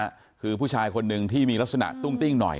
คือผู้ชายคนหนึ่งที่มีลักษณะตุ้งติ้งหน่อย